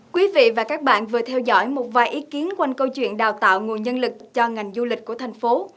quý vị và các bạn vừa theo dõi một vài ý kiến quanh câu chuyện đào tạo nguồn nhân lực cho ngành du lịch của thành phố